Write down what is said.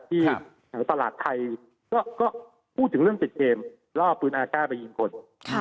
ที่ตลาดไทยก็พูดถึงเรื่องจิตเกมรอบปืนอาชาไปยิงคนค่ะ